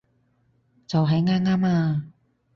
就喺啱啱啊